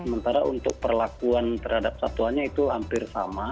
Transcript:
sementara untuk perlakuan terhadap satuannya itu hampir sama